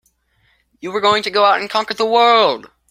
You were going to go out and conquer the world!